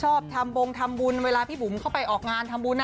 ชอบทำบงทำบุญเวลาพี่บุ๋มเข้าไปออกงานทำบุญ